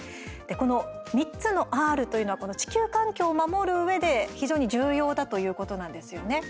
この３つのＲというのは地球環境を守るうえで非常に重要だということなんですよね。